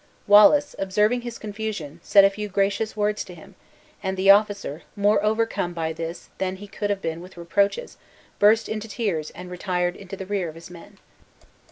Wallace, observing his confusion, said a few gracious words to him; and the officer, more overcome by this than he could have been with reproaches, burst into tears and retired into the rear of his men.